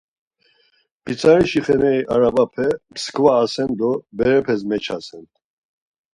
Pitsarişi xeneri arabape mskva asen do berepes meçasen.